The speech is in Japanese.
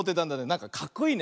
なんかかっこいいね。